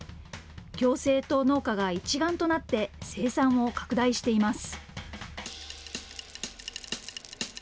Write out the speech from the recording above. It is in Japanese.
行政と農家が一丸となって生産を拡大しています。